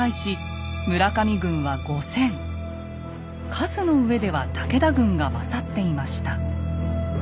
数の上では武田軍が勝っていました。